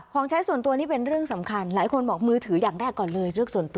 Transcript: ของใช้ส่วนตัวนี่เป็นเรื่องสำคัญหลายคนบอกมือถืออย่างแรกก่อนเลย